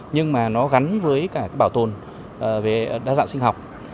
nhưng mà nó gắn với cả cái bảo tồn về đa dạng sinh học